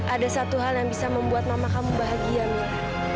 ada satu hal yang bisa membuat mama kamu bahagia mil